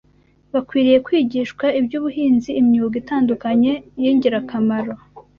Bakwiriye kwigishwa iby’ubuhinzi imyuga itandukanye y’ingirakamaro